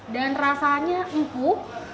dan rasanya empuk